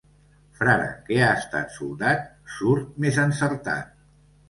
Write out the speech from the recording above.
Frare que ha estat soldat, surt més encertat.